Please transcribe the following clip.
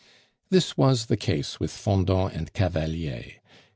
This was the case with Fendant and Cavalier.